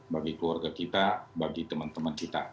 bagi keluarga kita bagi teman teman kita